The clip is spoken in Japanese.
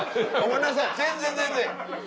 全然全然！